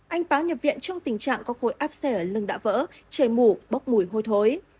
anh báo nhập viện trong tình trạng có khối áp xe ở lưng đã vỡ chảy mủ bốc mùi hôi thối